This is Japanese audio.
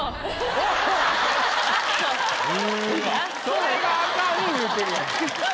それがアカン言うてるやん。